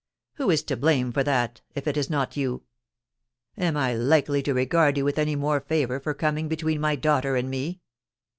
Who is to blame for that if it is not you ? Am I likely to regard you with any more favour for coming between my daughter and me